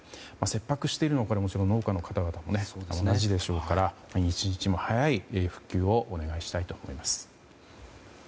切迫しているのはもちろん農家の方々も同じでしょうから一日も早い復旧をお願いしたいと思います。